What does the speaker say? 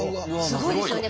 すごいですよね。